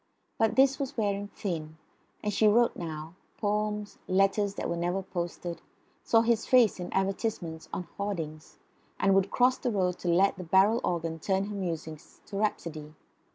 But this was wearing thin. And she wrote now poems, letters that were never posted, saw his face in advertisements on hoardings, and would cross the road to let the barrel organ turn her musings to rhapsody.